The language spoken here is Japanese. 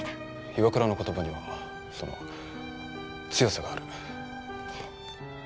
岩倉の言葉にはその強さがある。